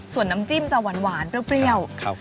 ส่วนน้ำจิ้มจะหวานเปรี้ยว